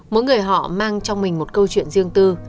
mỗi người họ mang trong mình một câu chuyện riêng tư